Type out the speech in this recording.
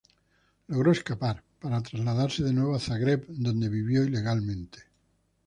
Logró escapar, para trasladarse de nuevo a Zagreb, donde vivió ilegalmente.